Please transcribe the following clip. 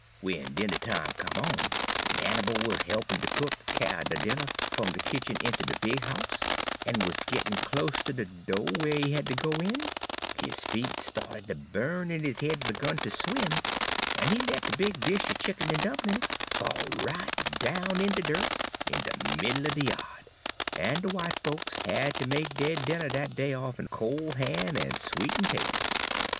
"W'en dinner time come, en Hannibal wuz help'n' de cook kyar de dinner f'm de kitchen inter de big house, en wuz gittin' close ter de do' whar he had ter go in, his feet sta'ted ter bu'n en his head begun ter swim, en he let de big dish er chicken en dumplin's fall right down in de dirt, in de middle er de ya'd, en de w'ite folks had ter make dey dinner dat day off'n col' ham en sweet'n' 'taters.